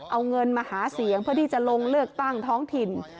เอาเงินมาหาเสียงเพื่อที่จะลงเลือกตั้งท้องถิ่น